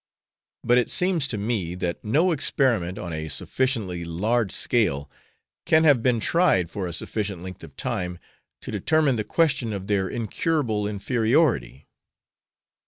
But it seems to me, that no experiment on a sufficiently large scale can have been tried for a sufficient length of time to determine the question of their incurable inferiority.